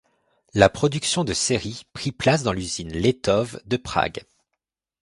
La production de série prit place dans l’usine Letov de Prague.